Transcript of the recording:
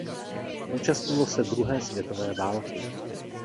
Účastnilo se druhé světové války.